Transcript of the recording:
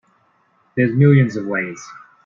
There's millions of ways.